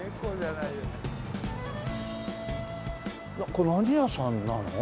これ何屋さんなの？